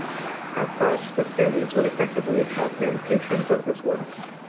As such, the Stanleys would effectively have been patrons of this work.